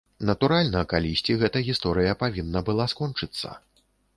Натуральна, калісьці гэта гісторыя павінна была скончыцца.